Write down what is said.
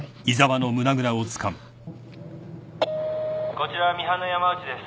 こちらミハンの山内です。